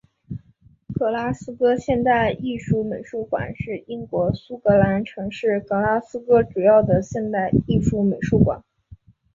格拉斯哥现代艺术美术馆是英国苏格兰城市格拉斯哥主要的现代艺术美术馆。